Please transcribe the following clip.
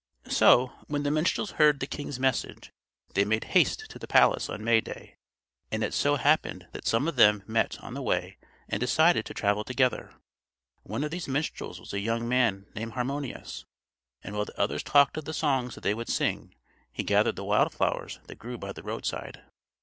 So when the minstrels heard the king's message, they made haste to the palace on May day; and it so happened that some of them met on the way and decided to travel together. One of these minstrels was a young man named Harmonius; and while the others talked of the songs that they would sing, he gathered the wild flowers that grew by the roadside.